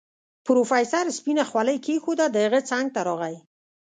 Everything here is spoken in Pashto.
پروفيسر سپينه خولۍ کېښوده د هغه څنګ ته راغی.